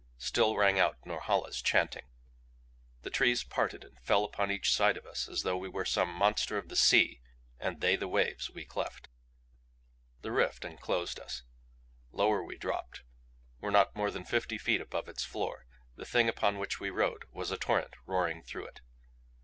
Still rang out Norhala's chanting. The trees parted and fell upon each side of us as though we were some monster of the sea and they the waves we cleft. The rift enclosed us. Lower we dropped; were not more than fifty feet above its floor. The Thing upon which we rode was a torrent roaring through it.